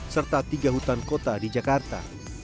serta tiga hutan kota di jakarta